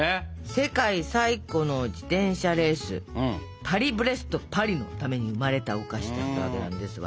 世界最古の自転車レース「パリ・ブレスト・パリ」のために生まれたお菓子だったわけなんですが。